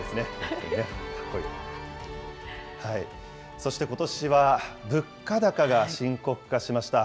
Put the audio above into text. そしてことしは物価高が深刻化しました。